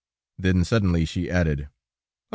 Then suddenly she added: "Oh!